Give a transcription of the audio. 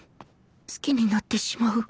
好きになってしまう